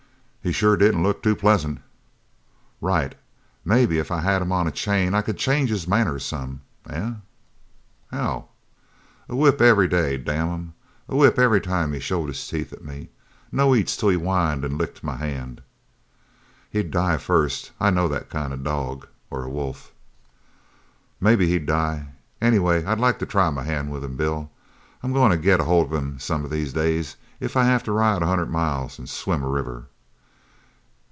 "He sure didn't look too pleasant." "Right. Maybe if I had him on a chain I could change his manners some, eh?" "How?" "A whip every day, damn him a whip every time he showed his teeth at me. No eats till he whined and licked my hand." "He'd die first. I know that kind of a dog or a wolf." "Maybe he'd die. Anyway I'd like to try my hand with him. Bill, I'm goin' to get hold of him some of these days if I have to ride a hundred miles an' swim a river!"